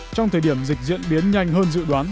trong thời điểm dịch diễn biến nhanh hơn dự đoán